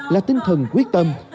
là tinh thần quyết tâm